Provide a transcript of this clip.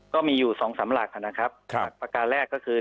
ก็มีอยู่สองสามหลักนะครับหลักประการแรกก็คือ